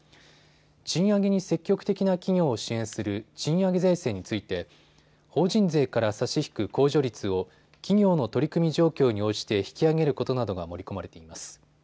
賃上げに積極的な企業を支援する賃上げ税制について法人税から差し引く控除率を企業の取り組み状況に応じて引き上げることなどが盛り込まれています。